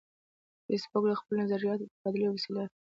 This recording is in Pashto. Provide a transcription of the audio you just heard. فېسبوک د خپلو نظریاتو د تبادلې وسیله ده